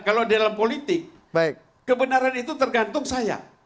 kalau dalam politik kebenaran itu tergantung saya